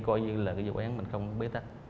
coi như là cái dự án mình không biết tắt